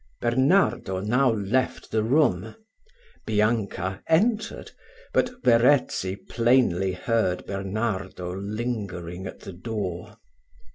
Bernardo now left the room: Bianca entered; but Verezzi plainly heard Bernardo lingering at the door.